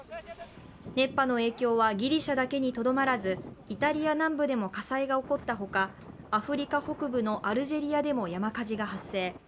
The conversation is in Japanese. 熱波の影響はギリシャだけにとどまらずイタリア南部でも火災が起こったほか、アフリカ北部のアルジェリアでも山火事が発生。